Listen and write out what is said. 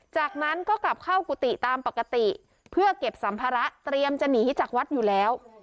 จากนั้นก็กลับเข้ากุฏิตามปกติเพื่อเก็บสัมภาระเตรียมจะหนีจากวัดอยู่แล้ว